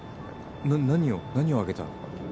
な何を何をあげたら。